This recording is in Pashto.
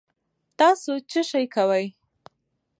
تاسو څه شئ کوی